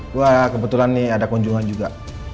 gue kebetulan nih ada kunjungan juga